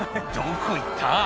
「どこ行った？